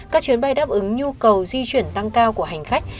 các chuyến bay đáp ứng nhu cầu di chuyển tăng cao của hành khách